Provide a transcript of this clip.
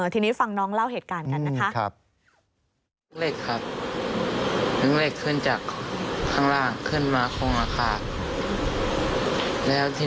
ทีนี้ฟังน้องเล่าเหตุการณ์กันนะคะ